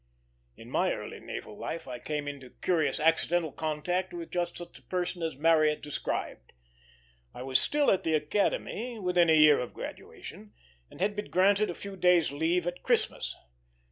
In my early naval life I came into curious accidental contact with just such a person as Marryat described. I was still at the Academy, within a year of graduation, and had been granted a few days' leave at Christmas.